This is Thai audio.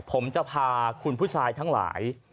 ผมจะพาคุณผู้ชายทั้งหลาย